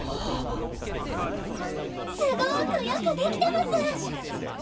すごくよくできてます！